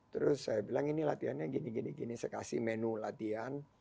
terus saya bilang ini latihannya gini gini saya kasih menu latihan